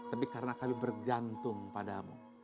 tapi karena kami bergantung padamu